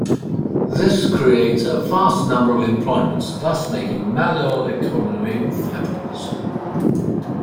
This creates a vast number of employments, thus making Malur economy fabulous.